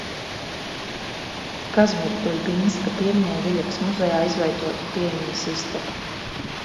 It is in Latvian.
Kazimira Duļbinska piemiņai Viļakas muzejā izveidota piemiņas istaba.